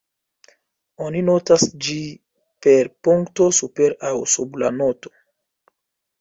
Oni notas ĝi per punkto super aŭ sub la noto.